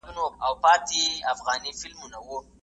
په پېړیو چي بې سره ګرځېدلاست